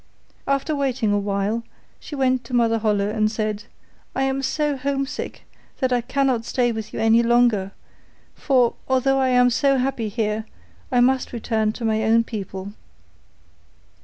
After waiting awhile, she went to Mother Holle and said, 'I am so homesick, that I cannot stay with you any longer, for although I am so happy here, I must return to my own people.